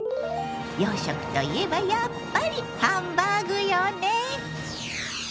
洋食といえばやっぱりハンバーグよね。